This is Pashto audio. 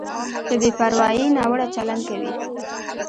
په بې پروایۍ ناوړه چلند کوي.